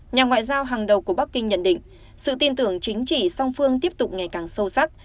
nhà ngoại giao hàng đầu của bắc kinh nhận định sự tin tưởng chính trị song phương tiếp tục ngày càng sâu sắc